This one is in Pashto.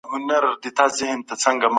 ژباړه سمه ده.